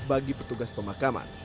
bagi petugas pemakaman